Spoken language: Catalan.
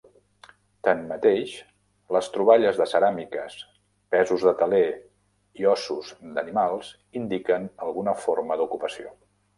Tanmateix, les troballes de ceràmiques, pesos de teler i ossos d'animals indiquen alguna forma d'ocupació.